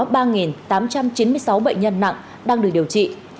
bệnh nhân nặng đang được điều trị